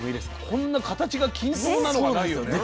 こんな形が均等なのはないよね。